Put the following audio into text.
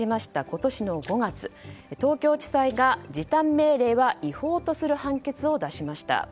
今年の５月、東京地裁が時短命令は違法とする判決を出しました。